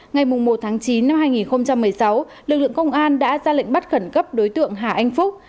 ngày một tháng chín năm hai nghìn một mươi sáu lực lượng công an đã ra lệnh bắt khẩn cấp đối tượng hà anh phúc